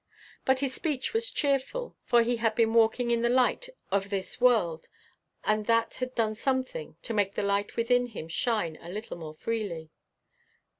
But his speech was cheerful, for he had been walking in the light of this world, and that had done something to make the light within him shine a little more freely.